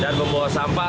dan membawa sampah